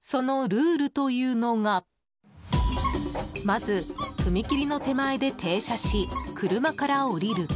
そのルールというのがまず、踏切の手前で停車し車から降りる。